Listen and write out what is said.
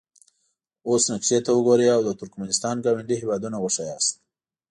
اوس نقشې ته وګورئ او د ترکمنستان ګاونډي هیوادونه وښایاست.